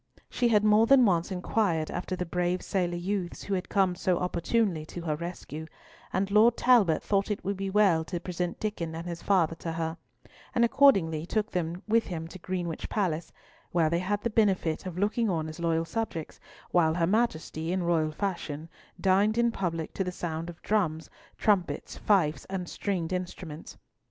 She had more than once inquired after the brave sailor youths who had come so opportunely to her rescue; and Lord Talbot thought it would be well to present Diccon and his father to her, and accordingly took them with him to Greenwich Palace, where they had the benefit of looking on as loyal subjects, while her Majesty, in royal fashion, dined in public, to the sound of drums, trumpets, fifes, and stringed instruments.